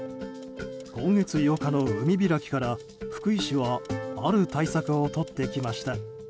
今月８日の海開きから福井市は、ある対策をとってきました。